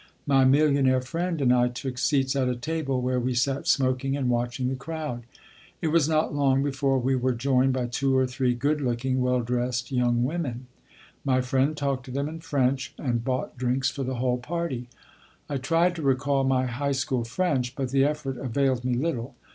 My millionaire friend and I took seats at a table, where we sat smoking and watching the crowd. It was not long before we were joined by two or three good looking, well dressed young women. My friend talked to them in French and bought drinks for the whole party. I tried to recall my high school French, but the effort availed me little.